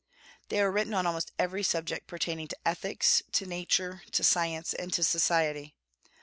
They are written on almost every subject pertaining to ethics, to nature, to science, and to society.